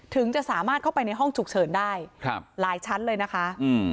ถึงจะสามารถเข้าไปในห้องฉุกเฉินได้ครับหลายชั้นเลยนะคะอืม